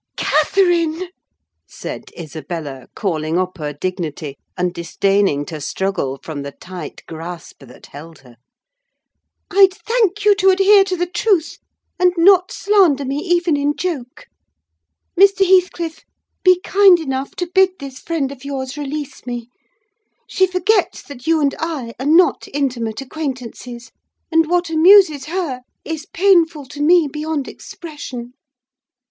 "Catherine!" said Isabella, calling up her dignity, and disdaining to struggle from the tight grasp that held her, "I'd thank you to adhere to the truth and not slander me, even in joke! Mr. Heathcliff, be kind enough to bid this friend of yours release me: she forgets that you and I are not intimate acquaintances; and what amuses her is painful to me beyond expression."